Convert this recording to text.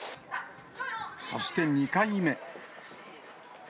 そして２回目。